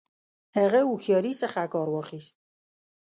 هغه هوښیاري څخه کار واخیست.